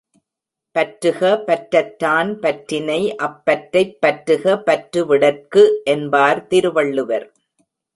பற்றுக பற்றற்றான் பற்றினை அப்பற்றைப் பற்றுக பற்று விடற்கு என்பார் திருவள்ளுவர்.